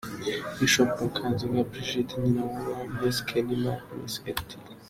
Bishop Mukanziga Brigitte nyina wa Miss Kenny na Miss Eduige.